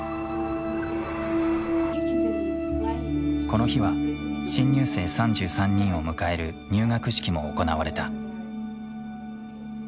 この日は新入生３３人を迎える入学式も行われた。